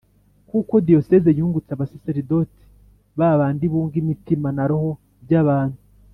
kuko diyosezi yungutse abasaserdoti, ba bandi bunga imitima na roho by’abantu.